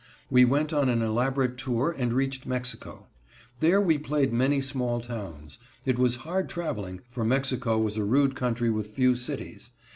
We went on an elaborate tour, and reached Mexico. There we played many small towns. It was hard traveling, for Mexico was a rude country with few cities.